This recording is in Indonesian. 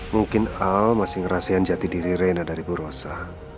mungkin al masih ngerasain jati diri reina dari bu rosa